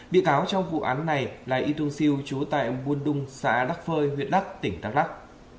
bị cáo trong vụ án này là y tung siu chú tại buôn đung xã đắk phơi huyện đắk tỉnh đắk lắc